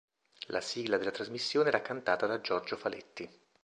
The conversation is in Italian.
La sigla della trasmissione era cantata da Giorgio Faletti.